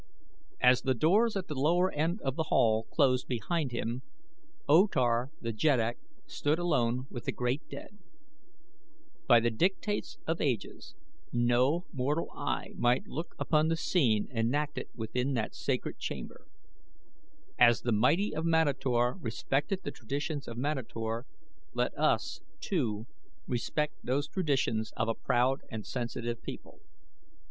As the doors at the lower end of the Hall closed behind him O Tar the Jeddak stood alone with the great dead. By the dictates of ages no mortal eye might look upon the scene enacted within that sacred chamber. As the mighty of Manator respected the traditions of Manator, let us, too, respect those traditions of a proud and sensitive people.